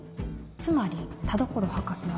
つまり田所博士は